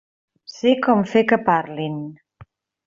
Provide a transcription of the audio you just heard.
Sé com fer que parlin.